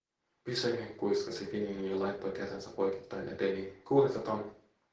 "Pysähy", kuiskasi Finian ja laittoi kätensä poikittain eteeni, "kuuletsä ton?"